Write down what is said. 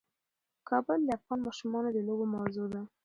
کابل د افغان ماشومانو د لوبو موضوع ده.